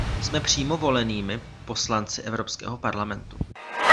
Jsme přímo volenými poslanci Evropského parlamentu.